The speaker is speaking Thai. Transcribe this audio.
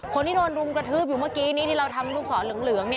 คนที่โดนรุมกระทืบอยู่เมื่อกี้นี้ที่เราทำลูกศรเหลือง